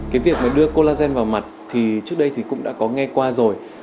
cái việc mà đưa collagen vào mặt thì trước đây cũng đã có nghe qua rồi